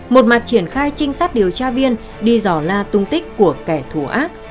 một mặt triển khai trinh sát điều tra viên đi dò la tung tích của kẻ thù ác